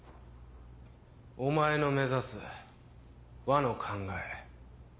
お前の目指す和の考え。